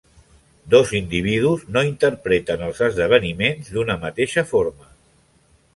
Dos individus no interpreten els esdeveniments d'una mateixa forma.